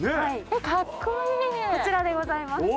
こちらでございます。